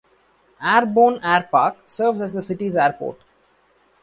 Airborne Airpark serves as the city's airport.